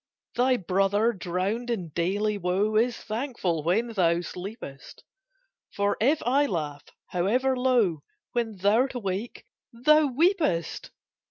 Thy brother, drowned in daily woe, Is thankful when thou sleepest; For if I laugh, however low, When thou'rt awake, thou weepest!